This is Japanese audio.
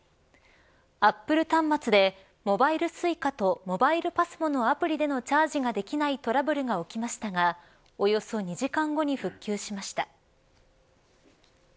アップル端末でモバイルＳｕｉｃａとモバイルＰＡＳＭＯのアプリでのチャージができないトラブルが起きましたがおよそ２時間後に復旧しました。